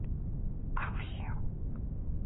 나무꾼은 계집애의 뾰로통한 모양이 우스워서 킥 웃었다.